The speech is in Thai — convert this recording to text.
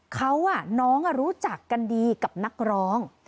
เขาน้องรู้จักกันดีกับนักร้อง